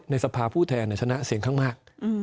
สภาผู้แทนชนะเสียงข้างมาก